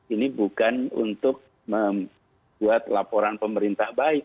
ini bukan untuk membuat laporan pemerintah baik